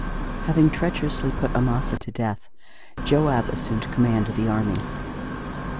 Having treacherously put Amasa to death, Joab assumed the command of the army.